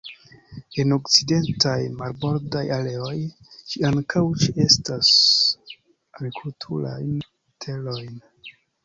En okcidentaj marbordaj areoj, ĝi ankaŭ ĉeestas agrikulturajn terojn.